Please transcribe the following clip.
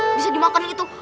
bisa dimakan itu